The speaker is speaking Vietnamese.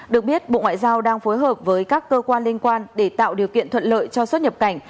được biết bộ ngoại giao đang phối hợp với các cơ quan liên quan để tạo điều kiện thuận lợi cho xuất nhập cảnh